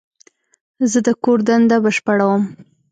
زه د کور دنده بشپړوم.